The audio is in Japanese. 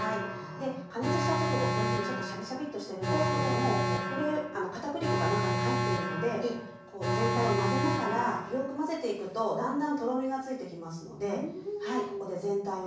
で加熱した直後こういうふうにちょっとシャビシャビッとしてるんですけれどもこれ片栗粉が中に入っているのでこう全体を混ぜながらよく混ぜていくとだんだんとろみがついてきますのでここで全体をしっかり混ぜて下さい。